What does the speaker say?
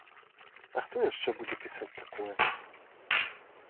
А хто яшчэ будзе пісаць такое?